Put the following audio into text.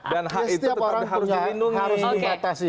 dan hak itu tetap harus dilindungi